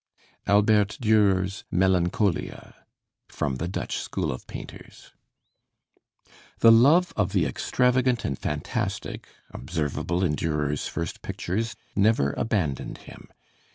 ALBERT DÜRER'S 'MELANCHOLIA' From 'The Dutch School of Painters' The love of the extravagant and fantastic observable in Dürer's first pictures never abandoned him.